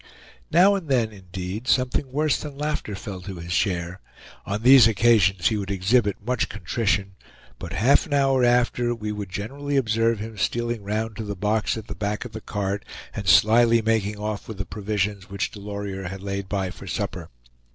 Now and then, indeed, something worse than laughter fell to his share; on these occasions he would exhibit much contrition, but half an hour after we would generally observe him stealing round to the box at the back of the cart and slyly making off with the provisions which Delorier had laid by for supper.